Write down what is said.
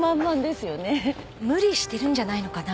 無理してるんじゃないのかな。